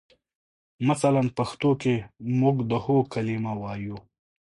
مثلاً پښتو کې موږ د هو کلمه وایو.